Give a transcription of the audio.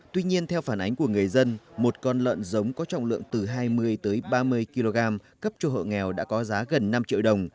tuy nhiên theo phản ánh của người dân một con lợn giống có trọng lượng từ hai mươi ba mươi kg cấp cho hộ nghèo đã có giá gần năm triệu đồng